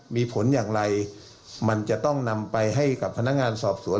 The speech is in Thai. มีผลอย่างไรมันจะต้องนำไปให้กับพนักงานสอบสวน